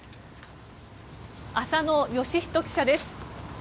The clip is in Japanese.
浅野孝仁記者です。